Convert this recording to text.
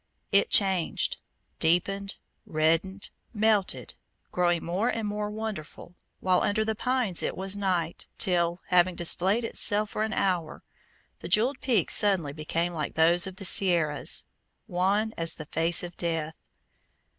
It changed, deepened, reddened, melted, growing more and more wonderful, while under the pines it was night, till, having displayed itself for an hour, the jewelled peaks suddenly became like those of the Sierras, wan as the face of death.